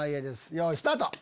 よいスタート！